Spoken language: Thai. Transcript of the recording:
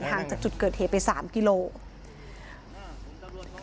ห่างจากจุดเกิดเหตุไป๓กิโลกรัม